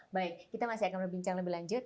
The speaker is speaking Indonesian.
baik kita masih akan berbincang lebih lanjut